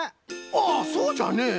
ああそうじゃね。